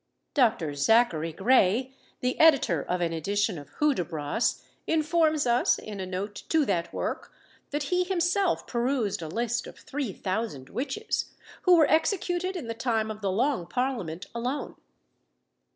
Dr. Zachary Grey, the editor of an edition of "Hudibras," informs us, in a note to that work, that he himself perused a list of three thousand witches who were executed in the time of the Long Parliament alone.